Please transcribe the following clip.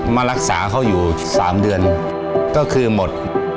มารักษาเขาอยู่๓เดือนก็คือหมด